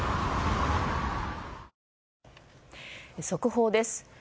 速報です。